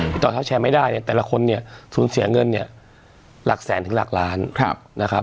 ติดต่อเท้าแชร์ไม่ได้เนี่ยแต่ละคนเนี่ยสูญเสียเงินเนี่ยหลักแสนถึงหลักล้านนะครับ